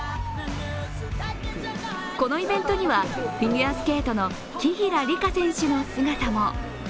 このイベントには、フィギュアスケートの紀平梨花選手の姿も。